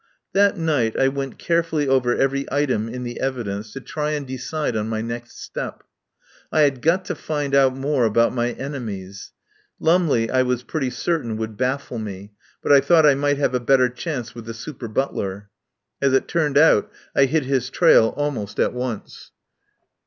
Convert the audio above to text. That night I went carefully over every item in the evidence to try and decide on my next step. I had got to find out more about my enemies* Lumley I was pretty certain would baffle me, but I thought I might have a better chance with the super butler. As it turned out I hit his trail almost at once.